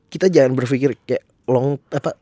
kita jangan berpikir kayak